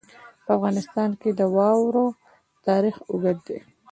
په افغانستان کې د واوره تاریخ اوږد دی.